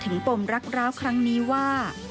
ปมรักร้าวครั้งนี้ว่า